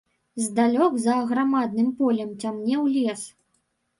Здалёк за аграмадным полем цямнеў лес.